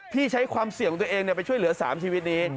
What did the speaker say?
ที่ใช้ความเสี่ยงของตัวเองไปช่วยเหลือ๓ชีวิตนี้